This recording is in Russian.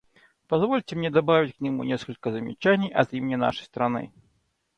Позвольте мне добавить к нему несколько замечаний от имени нашей страны.